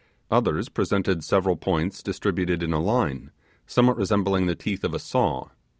Others presented several points distributed in a line, somewhat resembling the teeth of a saw.